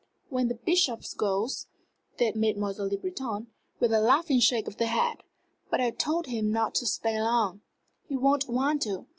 "When the Bishop goes," said Mademoiselle Le Breton, with a laughing shake of the head. "But I told him not to stay long." "He won't want to.